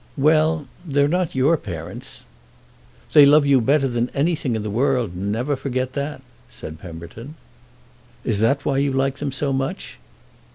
"Well—they're not your parents." "They love you better than anything in the world—never forget that," said Pemberton. "Is that why you like them so much?"